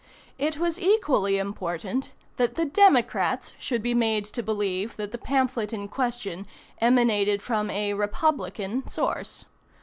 It was equally important that the "Democrats" should be made to believe that the pamphlet in question emanated from a "Republican" source.